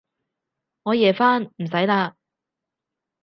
我夜返，唔使喇